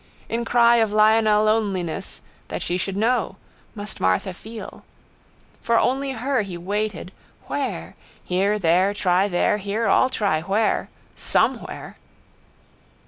In cry of lionel loneliness that she should know, must martha feel. For only her he waited. Where? Here there try there here all try where. Somewhere.